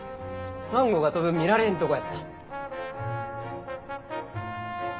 スワン号が飛ぶん見られへんとこやった。